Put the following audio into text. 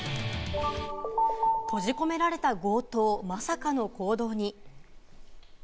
閉じ込められた強盗、まさかの行動に。